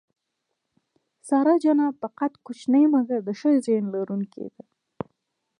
سارا جانه په قد کوچنۍ مګر د ښه ذهن لرونکې ده.